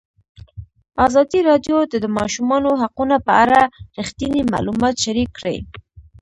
ازادي راډیو د د ماشومانو حقونه په اړه رښتیني معلومات شریک کړي.